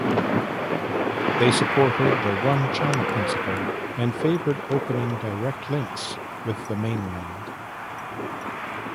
They supported the One-China Principle and favored opening direct links with the mainland.